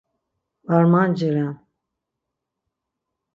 Var manciren.